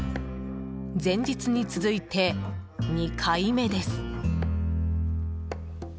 前日に続いて２回目です。